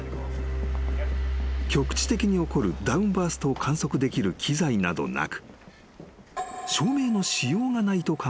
［局地的に起こるダウンバーストを観測できる機材などなく］